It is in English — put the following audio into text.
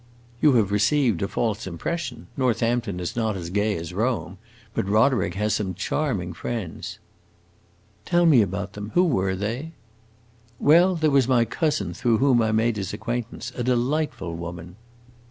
"You have received a false impression. Northampton is not as gay as Rome, but Roderick had some charming friends." "Tell me about them. Who were they?" "Well, there was my cousin, through whom I made his acquaintance: a delightful woman."